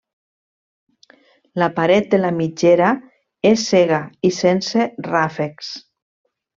La paret de la mitgera és cega i sense ràfecs.